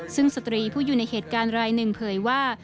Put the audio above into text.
ซึ่งสตรีผู้อยู่ในเหตุการณ์รายหนึ่งเผยว่า